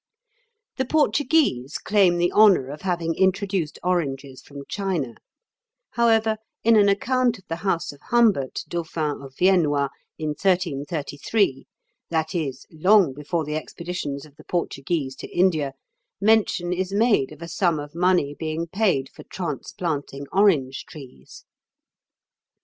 The Portuguese claim the honour of having introduced oranges from China; however, in an account of the house of Humbert, Dauphin of Viennois, in 1333, that is, long before the expeditions of the Portuguese to India, mention is made of a sum of money being paid for transplanting orange trees.